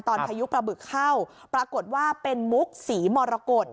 พายุปลาบึกเข้าปรากฏว่าเป็นมุกศรีมรกฏ